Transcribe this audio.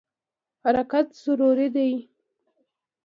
حرکت ضروري دی.